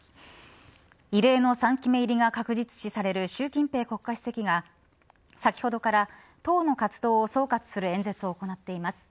異例の３期目入りが確実視される習近平国家主席が先ほどから党の活動を総括する演説を行っています。